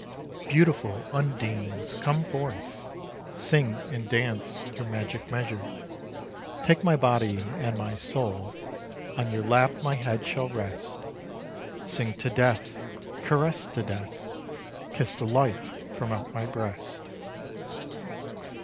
Beautiful undines, come forth! Sing and dance your magic measure. Take my body and my soul: On your lap my head shall rest. Sing to death, caress to death; Kiss the life from out my breast.